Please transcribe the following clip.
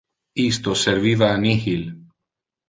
Isto serviva a nihil.